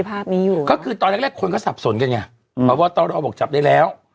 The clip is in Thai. เพราะว่าต้อนรอบอกจับได้แล้ว